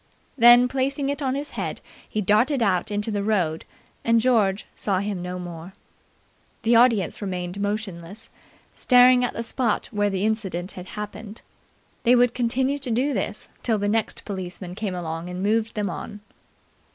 Then, placing it on his head, he darted out into the road and George saw him no more. The audience remained motionless, staring at the spot where the incident had happened. They would continue to do this till the next policeman came along and moved them on.